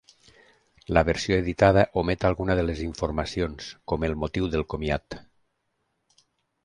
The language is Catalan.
La versió editada omet alguna de les informacions, com el motiu del comiat.